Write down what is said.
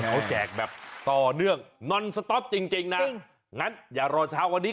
เขาแจกแบบต่อเนื่องจริงจริงนะจริงงั้นอย่ารอเช้าวันนี้